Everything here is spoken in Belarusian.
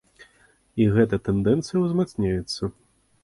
І гэта тэндэнцыя ўзмацняецца.